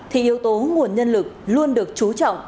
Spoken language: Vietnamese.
thì yếu tố nguồn nhân lực luôn được chú trọng